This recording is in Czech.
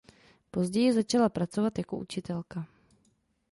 Později začala pracovat jako učitelka.